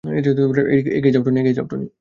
এগিয়ে যাও, টনি!